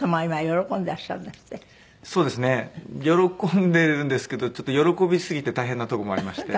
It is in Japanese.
喜んでるんですけどちょっと喜びすぎて大変なとこもありまして。